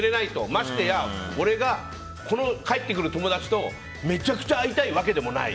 ましてや、俺が帰ってくる友達とめちゃくちゃ会いたいわけでもない。